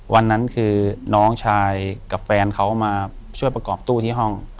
วันนั้นคือน้องชายกับแฟนเขามาช่วยประกอบตู้ที่ห้อง